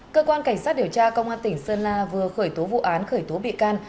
cơ quan cảnh sát điều tra công an tỉnh sơn la vừa khởi tố vụ án khởi tố bị can